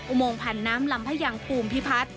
อุโมงผันน้ำลำพะยังภูมิพิพัฒน์